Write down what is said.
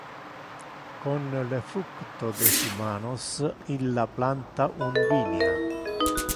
Con le fructo de su manos illa planta un vinia.